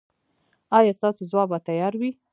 ایا ستاسو ځواب به تیار وي؟